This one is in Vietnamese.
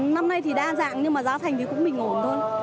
năm nay thì đa dạng nhưng mà giá thành thì cũng bình ổn thôi